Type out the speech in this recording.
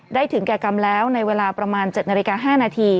ได้ถึงแก่กรรมแล้วในเวลาประมาณเจ็ดนาฬิกาห้านาที